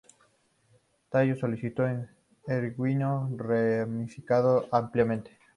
Tallo solitario, erguido, ramificado apicalmente.